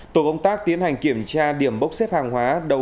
tổ công tác tiến hành kiểm tra điểm bốc xếp hàng hóa